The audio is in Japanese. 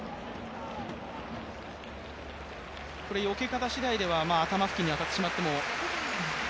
よけ方しだいでは、頭付近に当たってしまっても？